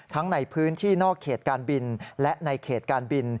ทั้งในพื้นที่นอกเขตการบินและในเขตการบิน